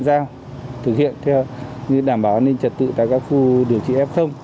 ra thực hiện theo như đảm bảo an ninh trật tự tại các khu điều trị f